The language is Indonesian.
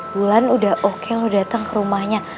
bulan udah oke lo datang ke rumahnya